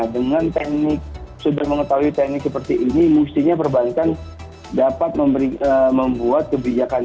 dengan teknik sudah mengetahui teknik seperti ini mestinya perbankan dapat membuat kebijakan